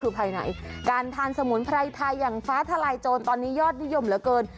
คือภายในการทานสมุนไพรไทยอย่างฟ้าทลายโจรตอนนี้ยอดนิยมเหลือเกิน